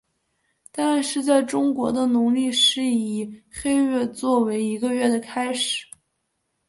但是在中国的农历是以黑月做为一个月的开始。